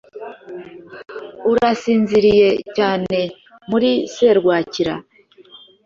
Urasinziriye cyane muri serwakira?